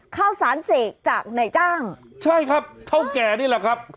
ข้าวสารเสกจากนายจ้างใช่ครับเท่าแก่นี่แหละครับ